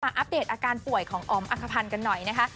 อัปเดตอาการป่วยของอ๋อมอักภัณฑ์กันหน่อยนะคะ